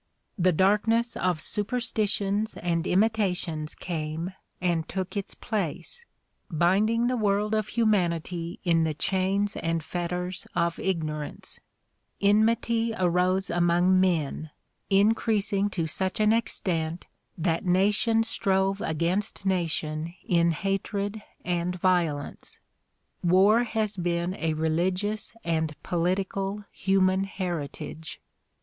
The darkness of superstitions and imitations came and took its place, binding the DISCOURSES DELIVERED IN WASHINGTON 37 world of huiiianily in the chains and fetters of ignorance. Enmity arose among men, increasing to such an extent that nation strove against nation in hatred and violence. AVar has been a religious and political human heritage.